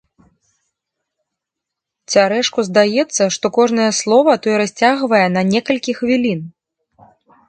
Цярэшку здаецца, што кожнае слова той расцягвае на некалькі хвілін.